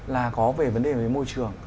là có về vấn đề về môi trường